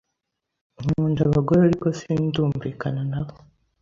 Nkunda abagore ariko sindumvikana nabo.